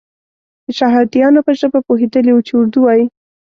د شهادیانو په ژبه پوهېدلی وو چې اردو وایي.